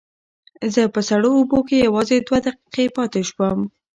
زه په سړو اوبو کې یوازې دوه دقیقې پاتې شوم.